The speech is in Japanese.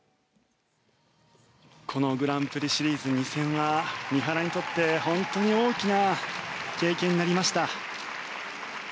このグランプリシリーズ２戦は三原にとって本当に大きな経験になりました。